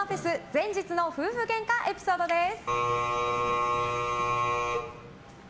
前日の夫婦ゲンカエピソードです。